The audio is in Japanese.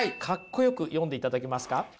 かっこよく読んでいただけますか？